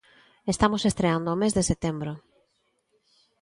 Estamos estreando o mes de setembro.